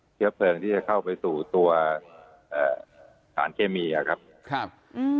เชื้อเพลิงที่จะเข้าไปสู่ตัวเอ่อสารเคมีอ่ะครับครับอืม